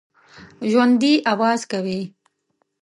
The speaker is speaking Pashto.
ژوندي آواز کوي